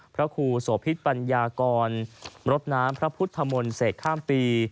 พระครูโสพิษปัญญากรรดน้ำพระพุทธมนต์เสกข้ามปี